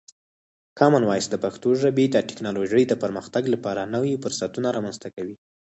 کامن وایس د پښتو ژبې د ټکنالوژۍ د پرمختګ لپاره نوی فرصتونه رامنځته کوي.